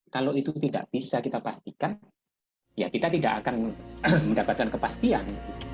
kalau itu tidak bisa kita pastikan ya kita tidak akan mendapatkan kepastian